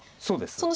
そうです。